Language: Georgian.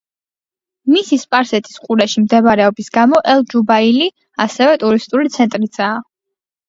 მისი სპარსეთის ყურეში მდებარეობის გამო ელ-ჯუბაილი ასევე ტურისტული ცენტრიცაა.